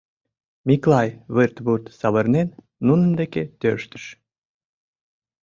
Миклай, вырт-вурт савырнен, нунын деке тӧрштыш.